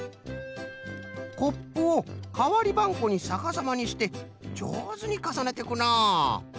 コップをかわりばんこにさかさまにしてじょうずにかさねていくのう。